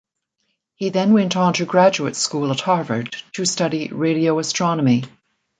He then went on to graduate school at Harvard to study radio astronomy.